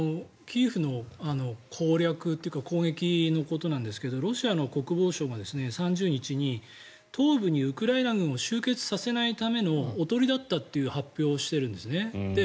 キーウの攻略というか攻撃のことなんですがロシアの国防省が３０日に東部にウクライナ軍を集結させないためのおとりだったという発表をしているんですね。